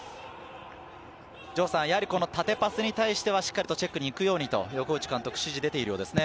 やはり縦パスに対してはしっかりとチェックに行くようにと、横内監督から指示が出ているようですね。